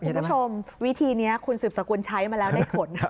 คุณผู้ชมวิธีนี้คุณสืบสกุลใช้มาแล้วได้ผล